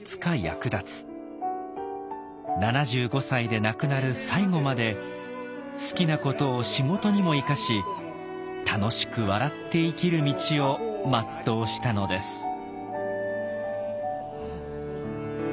７５歳で亡くなる最後まで好きなことを仕事にも生かし楽しく笑って生きる道を全うしたのです。